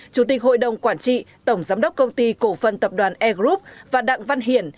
chủ tịch hội đồng quản trị tổng giám đốc công ty cổ phần tập đoàn e group và đặng văn hiển